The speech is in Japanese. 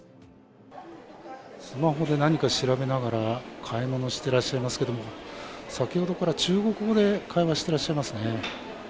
スマホで何か調べながら、買い物をしてらっしゃいますけれども、先ほどから中国語で会話してらっしゃいますね。